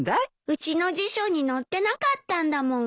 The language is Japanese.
うちの辞書に載ってなかったんだもん。